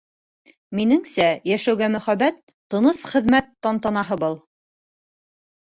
Минеңсә, йәшәүгә мөхәббәт, тыныс хеҙмәт тантанаһы был.